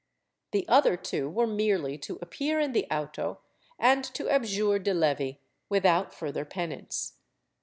The other two were merely to appear in the auto and to abjure de levi, without further penance.